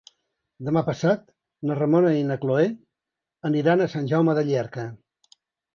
Demà passat na Ramona i na Cloè aniran a Sant Jaume de Llierca.